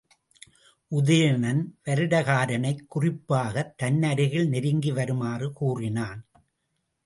உதயணன் வருடகாரனைக் குறிப்பாகத் தன் அருகில் நெருங்கி வருமாறு கூறினான்.